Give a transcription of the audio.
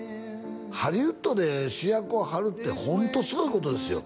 ハリウッドで主役を張るってホントすごいことですよ